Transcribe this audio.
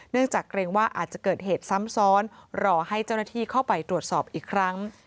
จากเกรงว่าอาจจะเกิดเหตุซ้ำซ้อนรอให้เจ้าหน้าที่เข้าไปตรวจสอบอีกครั้ง